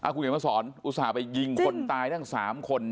คุณเขียนมาสอนอุตส่าห์ไปยิงคนตายทั้ง๓คน